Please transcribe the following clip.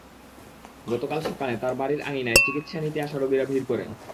গতকাল সকালে তাঁর বাড়ির আঙিনায় চিকিৎসা নিতে আসা রোগীরা ভিড় করেন।